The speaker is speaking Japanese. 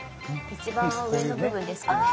一番上の部分ですかね。